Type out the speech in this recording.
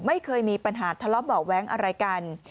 ไม่เคยมีปัญหาทะเลาะเบาะแว้งอะไรกัน